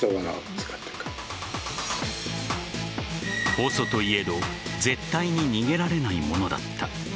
ＯＳＯといえど絶対に逃げられないものだった。